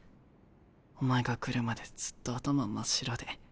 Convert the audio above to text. お前が来るまでずっと頭真っ白で。